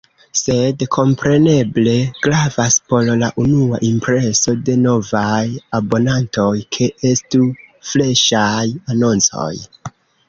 Sed kompreneble gravas por la unua impreso de novaj abonantoj, ke estu freŝaj anoncoj.